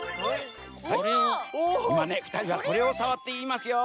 いまねふたりはこれをさわっていますよ。